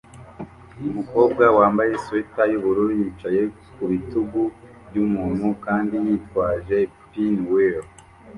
Umukobwa wambaye swater yubururu yicaye ku bitugu byumuntu kandi yitwaje pinwheel